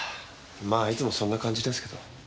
まあいつもそんな感じですけど。